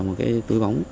một túi bóng